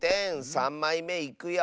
３まいめいくよ。